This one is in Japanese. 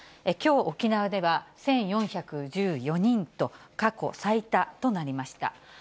きょう、沖縄では１４１４人と過去最多となりました。